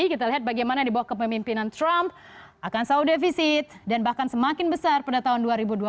kita lihat bagaimana di bawah kepemimpinan trump akan selalu defisit dan bahkan semakin besar pada tahun dua ribu dua puluh